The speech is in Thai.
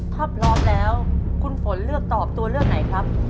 ถ้าพร้อมแล้วคุณฝนเลือกตอบตัวเลือกไหนครับ